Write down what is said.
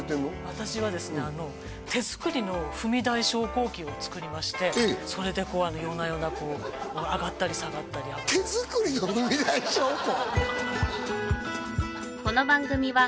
私はですねあの手作りの踏み台昇降器を作りましてええそれでこう夜な夜なこう上がったり下がったり手作りの踏み台昇降！？